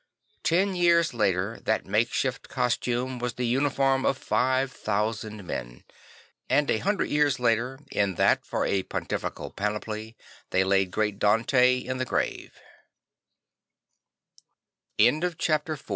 Ten years later that make shift costume was the uniform of five thousand men; and a hundred years later, in that, for a pontifical panoply, they laid great Dante in t